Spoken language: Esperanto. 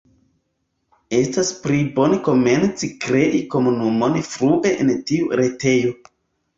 Estas pli bone komenci krei komunumon frue en tiu retejo.